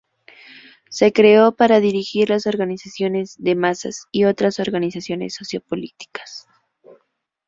Se creó para dirigir las organizaciones de masas y otras organizaciones sociopolíticas.